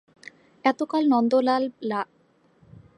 এতকাল নন্দলাল রাগ করিয়া ছিল, ভালো কথা, তাহার দোষ নাই।